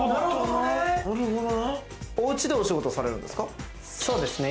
おうちでお仕事されるんですか？